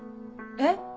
えっ！